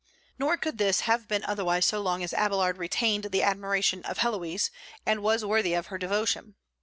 Nor could this have been otherwise so long as Abélard retained the admiration of Héloïse, and was worthy of her devotion.